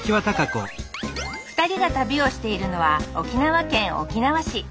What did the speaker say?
２人が旅をしているのは沖縄県沖縄市。